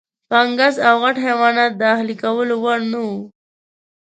فنګس او غټ حیوانات د اهلي کولو وړ نه وو.